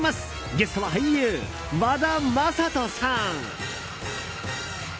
ゲストは俳優・和田正人さん。